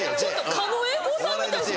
狩野英孝さんみたいです。